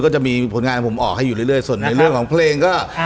จะมีผลงานของผมออกให้อยู่เรื่อยส่วนในเรื่องของเพลงก็